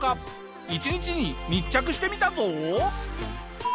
１日に密着してみたぞ！